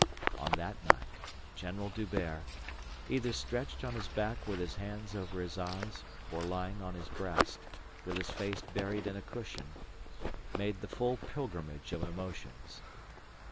On that night General D'Hubert, either stretched on his back with his hands over his eyes or lying on his breast, with his face buried in a cushion, made the full pilgrimage of emotions.